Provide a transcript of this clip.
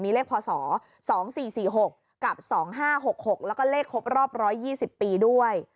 มีเลขพอสอสองสี่สี่หกกับสองห้าหกหกแล้วก็เลขครบรอบร้อยยี่สิบปีด้วย